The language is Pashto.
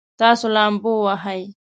تاسو لامبو وهئ؟